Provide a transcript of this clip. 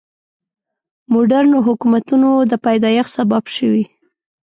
مډرنو حکومتونو د پیدایښت سبب شوي.